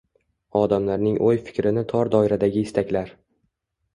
– odamlarning o‘y-fikrini tor doiradagi istaklar